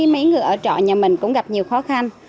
mấy người ở trọ nhà mình cũng gặp nhiều khó khăn